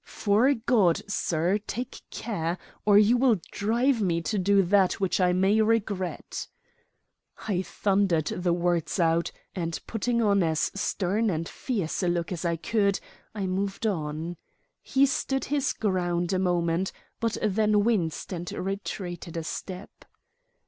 "'Fore God, sir, take care, or you will drive me to do that which I may regret." I thundered the words out, and putting on as stern and fierce a look as I could I moved on. He stood his ground a moment, but then winced and retreated a step.